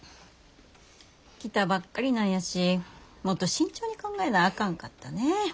来たばっかりなんやしもっと慎重に考えなあかんかったね。